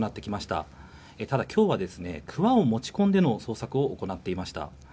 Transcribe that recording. ただ、今日はくわを持ち込んでの捜索を行っていました。